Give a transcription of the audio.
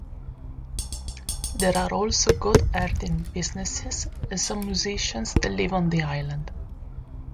There are also goat herding businesses and some musicians that live on the island.